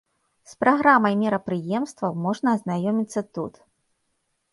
З праграмай мерапрыемстваў можна азнаёміцца тут.